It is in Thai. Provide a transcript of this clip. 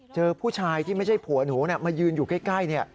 เจอผู้ชายที่ไม่ใช่ผัวหนูนี่มายืนอยู่ใกล้นี่